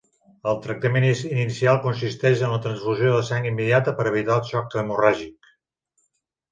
El tractament inicial consisteix en la transfusió de sang immediata per evitar el xoc hemorràgic.